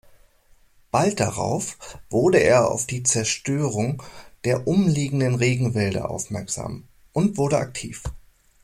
Bald darauf wurde er auf die Zerstörung der umliegenden Regenwälder aufmerksam und wurde aktiv.